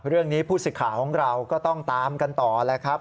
ผู้สิทธิ์ข่าวของเราก็ต้องตามกันต่อแล้วครับ